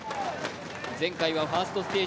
前回はファーストステージ